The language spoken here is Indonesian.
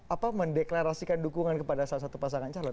apa mendeklarasikan dukungan kepada salah satu pasangan calon